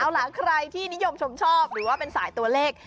เอาล่ะใครที่นิยมชมชอบหรือว่าเป็นสายตัวเลข